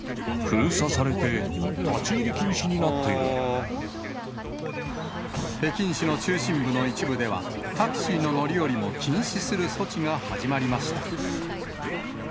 封鎖されて、立ち入り禁止に北京市の中心部の一部では、タクシーの乗り降りも禁止する措置が始まりました。